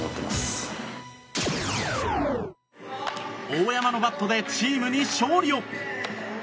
大山のバットでチームに勝利を。